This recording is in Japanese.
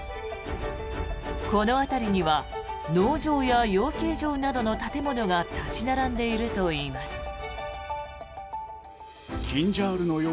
この辺りには農場や養鶏場などの建物が立ち並んでいるといいます。